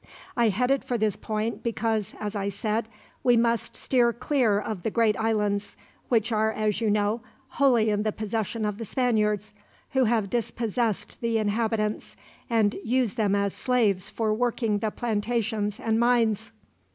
"I headed for this point because, as I said, we must steer clear of the great islands; which are, as you know, wholly in the possession of the Spaniards, who have dispossessed the inhabitants, and use them as slaves for working the plantations and mines.